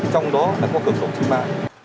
trong đó đã có cửa khẩu chi ma